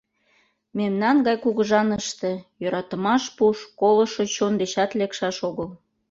Мемнан гай кугыжаныште йӧратымаш пуш колышо чон дечат лекшаш огыл.